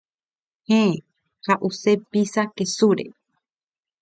Héẽ, ha’use pizza kesúre.